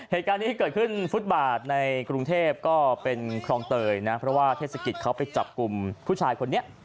เหตุการณ์นี้เกิดขึ้นฟุตบาทในกรุงเทพก็เป็นคลองเตยนะเพราะว่าเทศกิจเขาไปจับกลุ่มผู้ชายคนนี้